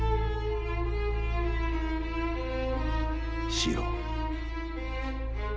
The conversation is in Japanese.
四郎。